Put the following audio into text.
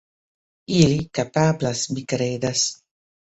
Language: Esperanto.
Ili kapablas, mi kredas.